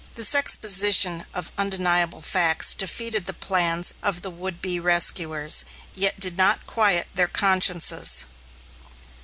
This exposition of undeniable facts defeated the plans of the would be rescuers, yet did not quiet their consciences.